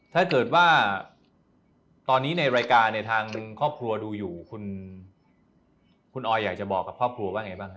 ถ้าเกิดว่าตอนนี้ในรายการเนี่ยทางครอบครัวดูอยู่คุณออยอยากจะบอกกับครอบครัวว่าไงบ้างครับ